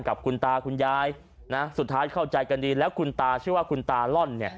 กับคุณตาคุณยายนะสุดท้ายเข้าใจกันดีแล้วคุณตาชื่อว่าคุณตาล่อนเนี่ย